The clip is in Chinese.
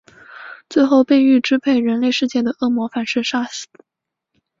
最后被欲支配人类世界的恶魔反噬杀死。